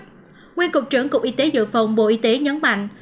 nguyên cục trưởng cục y tế dự phòng bộ y tế nhấn mạnh